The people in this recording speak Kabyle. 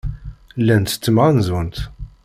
Llant ttemɣanzunt.